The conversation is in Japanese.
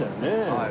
はい。